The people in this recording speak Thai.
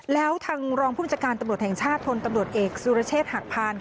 แล้วทางรองผู้บัญชาการตำรวจแห่งชาติพลตำรวจเอกสุรเชษฐ์หักพาน